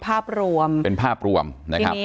การแก้เคล็ดบางอย่างแค่นั้นเอง